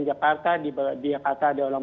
jakarta di jakarta ada orang